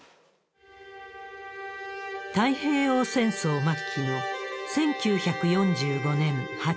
太平洋戦争末期の１９４５年８月６日。